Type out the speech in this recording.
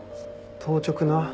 当直な。